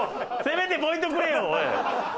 せめてポイントくれよおい！